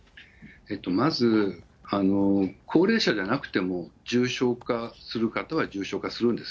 まず、高齢者じゃなくても、重症化する方は重症化するんです。